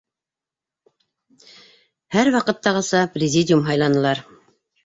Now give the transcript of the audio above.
Һәр ваҡыттағыса президиум һайланылар.